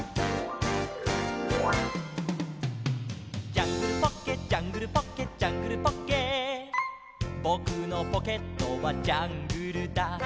「ジャングルポッケジャングルポッケ」「ジャングルポッケ」「ぼくのポケットはジャングルだ」